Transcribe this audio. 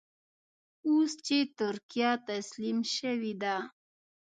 اوس چې ترکیه تسليم شوې ده.